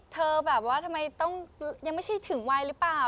แบบว่าทำไมต้องยังไม่ใช่ถึงวัยหรือเปล่า